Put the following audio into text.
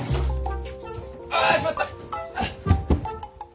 あしまった！